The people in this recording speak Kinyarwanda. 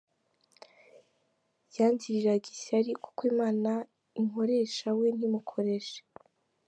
Yangiriraga ishyari kuko Imana inkoresha we ntimukoreshe’.